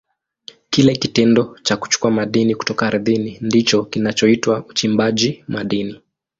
Kile kitendo cha kuchukua madini kutoka ardhini ndicho kinachoitwa uchimbaji madini.